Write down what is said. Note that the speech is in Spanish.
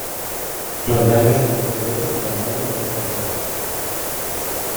Los daños fueron severos y la nave no se reparó.